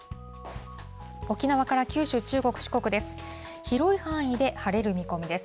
沖縄から九州、中国、四国です。